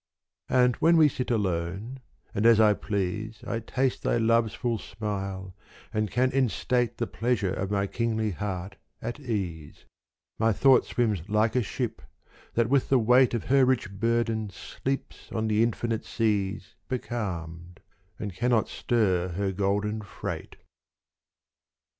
And when we sit alone, and as I please I taste thy love's full smile and can enstate The pleasure of my kingly heart at ease : My thought swims like a ship, that with the weight Of her rich burden sleeps on the infinite seas Becalmed, and cannot stir her golden freight.